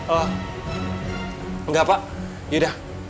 oh enggak pak yaudah